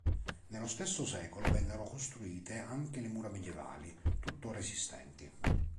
Nello stesso secolo vennero costruite anche le mura medievali, tuttora esistenti.